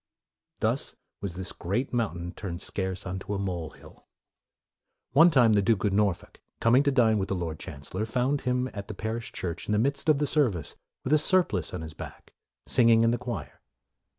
" Thus was this great mountain turned scarce unto a mole hill." One time, the Duke of Norfolk, coming to dine with the Lord Chancellor, found him at the parish church in the midst of the service, with a surplice on his back, singing in the choir.